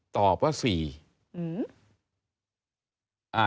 ตอบว่า๔